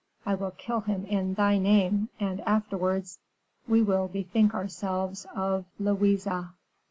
I will kill him in thy name, and, afterwards, we will bethink ourselves of Louise."